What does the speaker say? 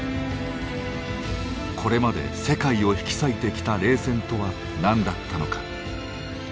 これまで世界を引き裂いてきた冷戦とは何だったのか。